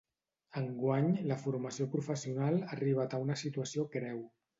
Enguany la formació professional ha arribat a una situació greu.